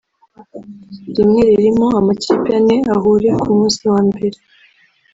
rimwe ririmo amakipe ane ahure ku munsi wa mbere